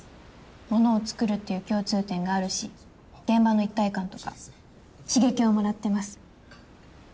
物を作るっていう共通点があるし現場の一体感とか刺激をもらってます。